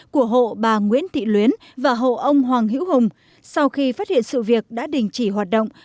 của hộ bà nguyễn thị luyến và hộ ông hoàng hữu hùng sau khi phát hiện sự việc đã đình chỉ hoạt động